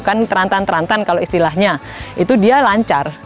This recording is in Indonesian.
kan terantan terantan kalau istilahnya itu dia lancar